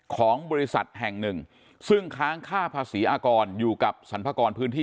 ของบริษัทแห่งหนึ่งซึ่งค้างค่าภาษีอากรอยู่กับสรรพากรพื้นที่